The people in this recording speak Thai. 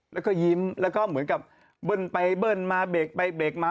แล้วก็ยิ้มแล้วก็เหมือนกับเบิ้ลไปเบิ้ลมาเบรกไปเบรกมา